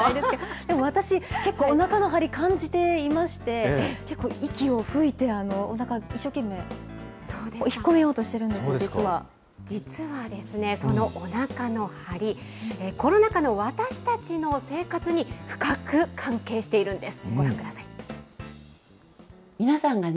でも私、結構おなかの張り感じていまして、結構息を吹いて、おなか、一生懸命引っ込めようとしているんです、実はですね、そのおなかの張り、コロナ禍の私たちの生活に深く関係しているんです。